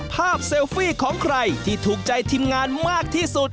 เซลฟี่ของใครที่ถูกใจทีมงานมากที่สุด